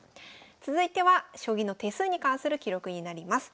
続いては将棋の手数に関する記録になります。